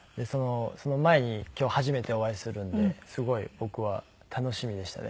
その前に今日初めてお会いするんですごい僕は楽しみでしたね。